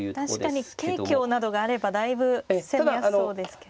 確かに桂香などがあればだいぶ攻めやすそうですけど。